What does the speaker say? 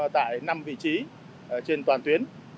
tại năm vị trí trên toàn tuyến